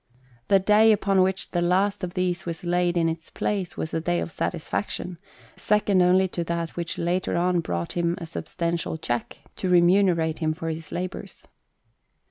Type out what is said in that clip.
The day upon which the last of these was laid in its place was a day of satisfaction, second only to that which later on brought him a substantial cheque to remunerate him for his labours.